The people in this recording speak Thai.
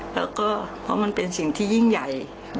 แล้วก็เพราะมันเป็นสิ่งที่ยิ่งใหญ่